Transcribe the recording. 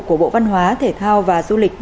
của bộ văn hóa thể thao và du lịch